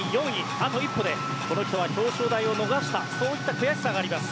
あと一歩でこの人は表彰台を逃したそういった悔しさがあります。